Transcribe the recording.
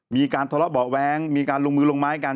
มีการทะเลาะเบาะแว้งมีการลงมือลงไม้กัน